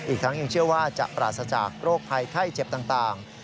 อีกทั้งยังเชื่อว่าจะปราศจากโรคภัยไข้เจ็บต่าง